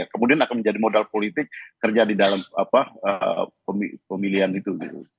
kemudian akan menjadi modal politik kerja di dalam pemilihan itu